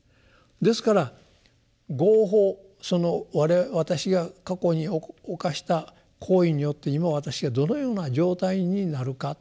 ですから「業報」その私が過去に犯した行為によって今私がどのような状態になるか。